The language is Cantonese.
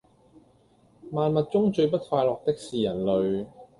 萬物中最不快樂的是人類